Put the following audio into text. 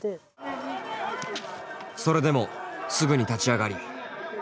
それでもすぐに立ち上がり。